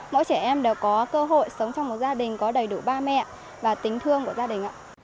mỗi trẻ em đều có cơ hội sống trong một gia đình có đầy đủ ba mẹ và tình thương của gia đình ạ